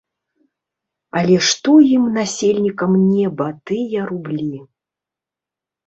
Але што ім, насельнікам неба, тыя рублі.